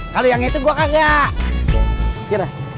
kalo yang itu gua kagak